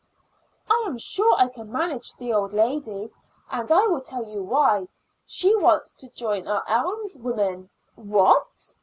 "I am sure I can manage the old lady, and I will tell you why. She wants to join our alms women." "What?"